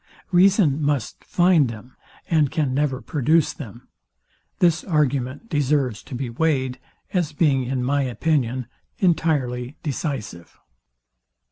Reason must find them, and can never produce them. This argument deserves to be weighed, as being, in my opinion, entirely decisive.